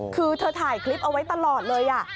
คือเธอถ่ายคลิปเอาไว้ตลอดเลย